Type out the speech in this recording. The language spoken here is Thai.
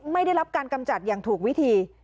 ไม่ได้รับการกำจัดอย่างถูกวิธี